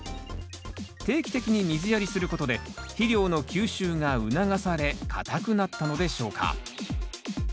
定期的に水やりすることで肥料の吸収が促され硬くなったのでしょうか？